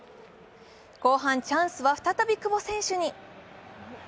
後半、チャンスは再び久保選手に。